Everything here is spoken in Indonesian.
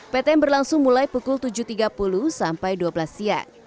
ptm berlangsung mulai pukul tujuh tiga puluh sampai dua belas siang